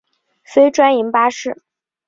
非专营巴士。